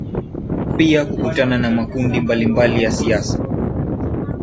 pia kukutana na makundi mbalimbali ya siasa